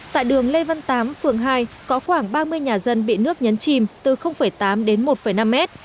tại đường lê văn tám phường hai có khoảng ba mươi nhà dân bị nước nhấn chìm từ tám đến một năm mét